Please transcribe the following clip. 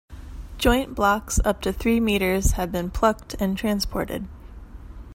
Joint blocks up to three meters have been "plucked" and transported.